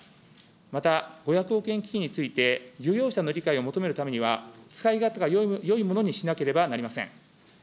またについて漁業者の理解を求めるためには、使い勝手がよいものにしなければなりません。